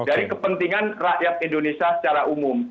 dari kepentingan rakyat indonesia secara umum